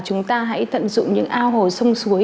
chúng ta hãy tận dụng những ao hồ sông suối